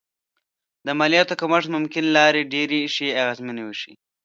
د مالیاتو کمښت ممکن لا ډېرې ښې اغېزې وښيي